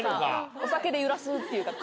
お酒で揺らすっていうか。